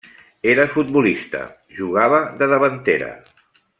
Era futbolista, jugava de davantera.